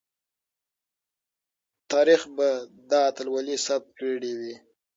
تاریخ به دا اتلولي ثبت کړې وي.